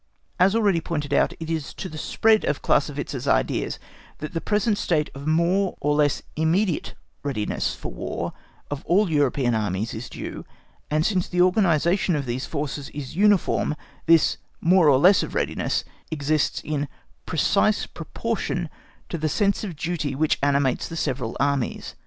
As already pointed out, it is to the spread of Clausewitz's ideas that the present state of more or less immediate readiness for war of all European Armies is due, and since the organisation of these forces is uniform this "more or less" of readiness exists in precise proportion to the sense of duty which animates the several Armies.